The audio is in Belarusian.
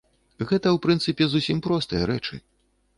Гэта, у прынцыпе, зусім простыя рэчы.